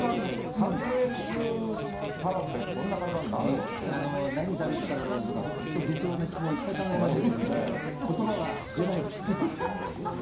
３か月足らずで、何食べてただろうとか、本当下世話な質問をいっぱい考えましたけども、ことばが出ないです、今。